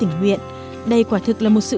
tình nguyện đây quả thực là một sự